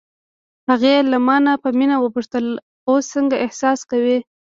هغې له مانه په مینه وپوښتل: اوس څنګه احساس کوې؟